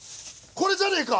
これじゃねえか？